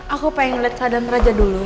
aku pengen melihat keadaan raja dulu